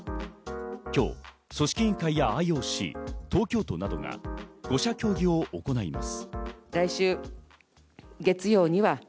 今日、組織委員会やＩＯＣ、東京都などが５者協議を行います。